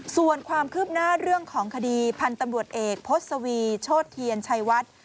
ส่วนความคืบหน้าเรื่องของคดีพันธุ์ตำรวจเอกพศวีโชธเทียนชัยวัด